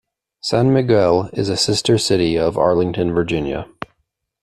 San Miguel is a sister city of Arlington, Virginia.